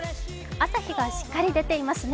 朝日がしっかり出ていますね。